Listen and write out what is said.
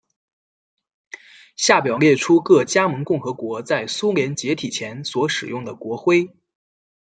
下表列出各加盟共和国在苏联解体前所使用的国徽。